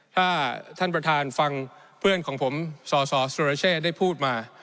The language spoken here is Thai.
ถ้าท่านประธานฟังเพื่อนของผมสสสุรเชษฐ์ได้พูดมา